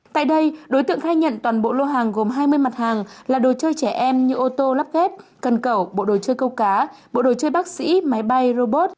tại đây đối tượng khai nhận toàn bộ lô hàng gồm hai mươi mặt hàng là đồ chơi trẻ em như ô tô lắp ghép cần cẩu bộ đồ chơi câu cá bộ đồ chơi bác sĩ máy bay robot